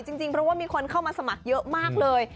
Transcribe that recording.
จริงเพราะว่ามีคนเข้ามาสมัครเยอะมากเลย